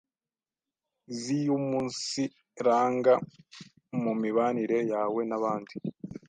ziumunsiranga mu mibanire yawe n’abandi